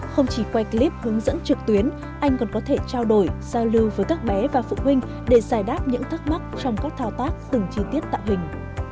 không chỉ quay clip hướng dẫn trực tuyến anh còn có thể trao đổi giao lưu với các bé và phụ huynh để giải đáp những thắc mắc trong các thao tác từng chi tiết tạo hình